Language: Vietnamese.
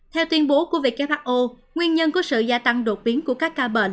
theo tuyên bố của who nguyên nhân của sự gia tăng đột biến của các ca bệnh